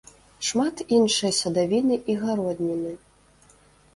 Шмат іншай садавіны і гародніны.